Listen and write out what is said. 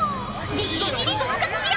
ギリギリ合格じゃ。